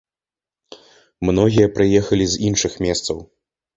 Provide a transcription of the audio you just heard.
Многія прыехалі з іншых месцаў.